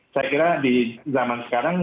saya kira di zaman sekarang